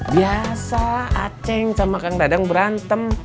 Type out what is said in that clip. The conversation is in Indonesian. biasa aceh sama kang dadang berantem